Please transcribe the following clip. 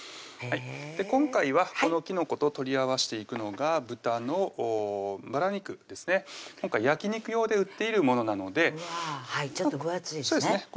今回はこのきのこと取り合わせていくのが豚のバラ肉ですね今回焼肉用で売っているものなのでちょっと分厚いですね